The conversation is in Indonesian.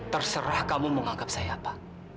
terserah kamu menganggap saya apa